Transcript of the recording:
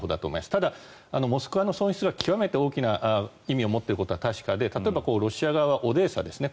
ただ、「モスクワ」の損失が極めて大きな意味を持っていることは確かで例えば、ロシア側がオデーサですね。